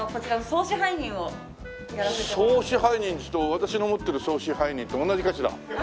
総支配人っていうと私の思ってる総支配人と同じかしら？